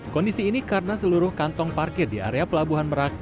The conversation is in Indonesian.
kondisi ini karena seluruh kantong parkir di area pelabuhan merak